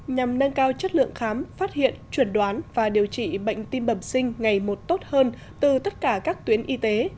nhằm nâng cao chất lượng khám phát hiện chuẩn đoán và điều trị bệnh tim bẩm sinh ngày một tốt hơn từ tất cả các tuyến y tế